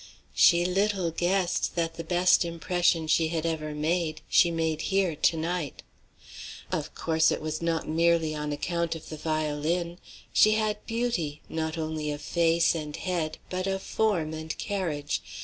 She little guessed that the best impression she had ever made she made here to night. Of course it was not merely on account of the violin. She had beauty, not only of face and head, but of form and carriage.